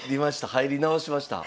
入り直しました。